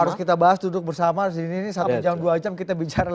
harus kita bahas duduk bersama harus di sini satu jam dua jam kita bicara